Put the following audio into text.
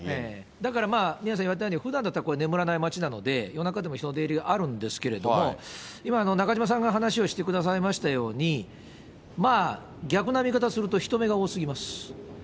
だから、宮根さん言われたように、ふだんだったら眠らない街なので、夜中でも人の出入りがあるんですけれども、今中島さんが話をしてくださいましたように、逆な見方をすると、人目が多すぎます。